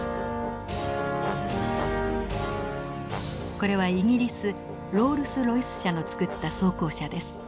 これはイギリスロールスロイス社の作った装甲車です。